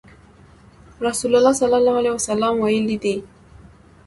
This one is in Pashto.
رسول الله صلی الله عليه وسلم ويلي دي :